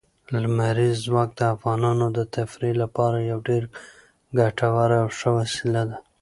لمریز ځواک د افغانانو د تفریح لپاره یوه ډېره ګټوره او ښه وسیله ده.